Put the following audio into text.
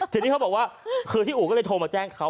ทีนี้เขาบอกว่าคือที่อู่ก็เลยโทรมาแจ้งเขา